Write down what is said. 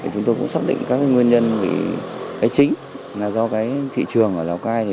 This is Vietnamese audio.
chúng tôi cũng xác định các nguyên nhân chính là do thị trường ở lào cai